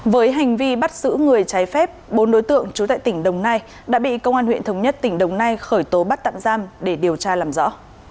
với hành vi bắt giữ người trái phép bốn đối tượng trú tại tỉnh đồng nai đã bị công an huyện thống nhất tỉnh đồng nai khởi tố bắt tạm giam để điều tra làm rõ